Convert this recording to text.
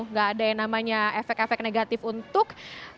nggak ada yang namanya efek efek negatif untuk